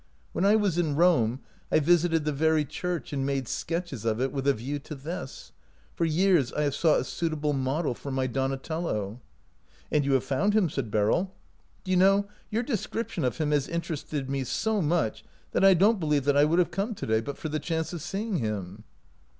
When I was in Rome I visited the very church and made sketches of it with a view to this. For years I have sought a suit able model for my Donatello." " And you have found him," said Beryl. "Do you know, your description of him has interested me so much that I don't be lieve that I would have come to day but for the chance of seeing him."